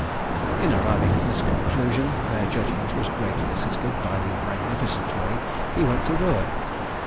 In arriving at this conclusion, their judgement was greatly assisted by the magnificent way he went to work.